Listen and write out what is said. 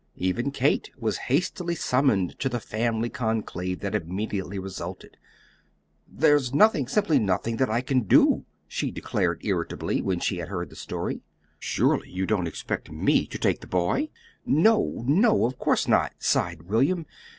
Even Kate was hastily summoned to the family conclave that immediately resulted. "There's nothing simply nothing that I can do," she declared irritably, when she had heard the story. "Surely, you don't expect ME to take the boy!" "No, no, of course not," sighed William.